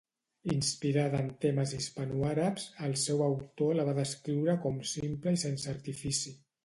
Inspirada en temes hispanoàrabs, el seu autor la va descriure com simple i sense artifici.